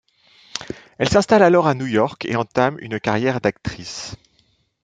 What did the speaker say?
Elle s'installe alors à New York et entame une carrière d'actrice.